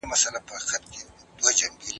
د کندهار صنعت کي د پرمختګ لوری څه دی؟